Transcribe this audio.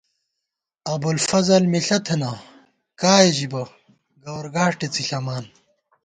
ابُوافضل مِݪہ تھنہ، کائےژِبہ، گوَر گاݭٹےڅِݪَمان